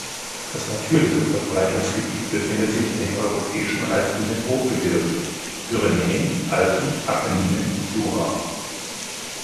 Das natürliche Verbreitungsgebiet befindet sich in den europäischen alpinen Hochgebirgen: Pyrenäen, Alpen, Apenninen, Jura.